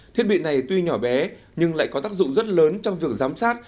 thiết bị này tuy nhỏ bé nhưng lại có tác dụng rất lớn trong việc giám sát